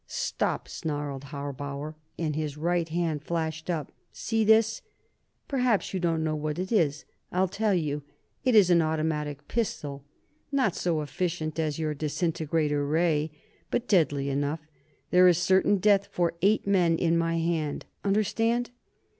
"Stop!" snarled Harbauer, and his right hand flashed up. "See this? Perhaps you don't know what it is; I'll tell you. It's an automatic pistol not so efficient as your disintegrator ray, but deadly enough. There is certain death for eight men in my hand. Understand?"